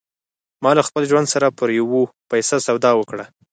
ما له خپل ژوند سره پر یوه پیسه سودا وکړه